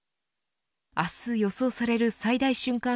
明日予想される最大瞬間